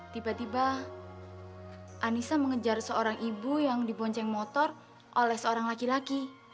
tiba tiba anissa mengejar seorang ibu yang dibonceng motor oleh seorang laki laki